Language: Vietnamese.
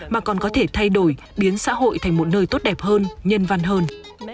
mà còn có thể thay đổi biến xã hội thành một nơi tốt đẹp hơn nhân văn hơn